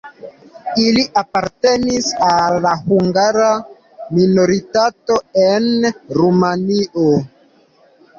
Ili apartenis al la hungara minoritato en Rumanio.